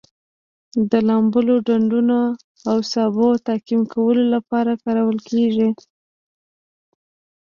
د لامبلو ډنډونو او سابو تعقیم کولو لپاره کارول کیږي.